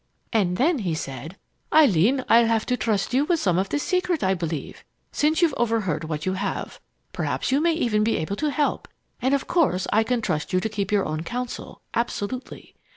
And then he said: "'Eileen, I'll have to trust you with some of the secret, I believe, since you've overheard what you have. Perhaps you may even be able to help, and of course I can trust you to keep your own counsel absolutely.